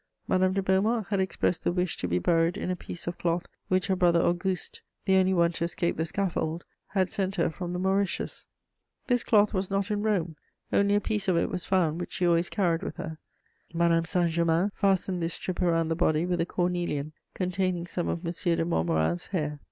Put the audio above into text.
Madame de Beaumont had expressed the wish to be buried in a piece of cloth which her brother Auguste, the only one to escape the scaffold, had sent her from the Mauritius. This cloth was not in Rome; only a piece of it was found, which she always carried with her. Madame Saint Germain fastened this strip around the body with a cornelian containing some of M. de Montmorin's hair.